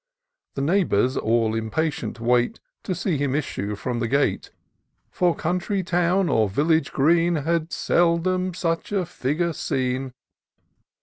The neighbours all impatient wait, To see him issue from the gate ; For country town or village green Had seldom such a figure seen.